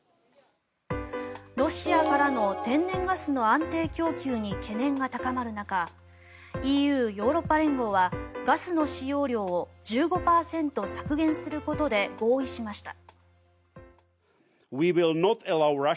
ロシアからの天然ガスの安定供給に懸念が高まる中ＥＵ・ヨーロッパ連合はガスの使用量を１５％削減することで合意しました。